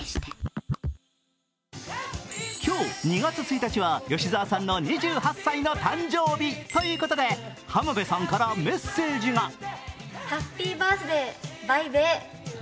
今日２月１日は吉沢さんの２８歳の誕生日。ということで、浜辺さんからメッセージが。